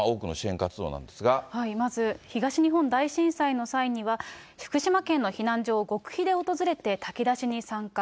まず、東日本大震災の際には、福島県の避難所を極秘で訪れて炊き出しに参加。